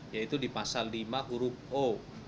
yaitu di pasal lima huruf o